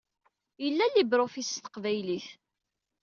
Yella LibreOffice s teqbaylit.